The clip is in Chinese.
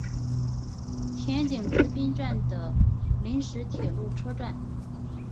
田井之滨站的临时铁路车站。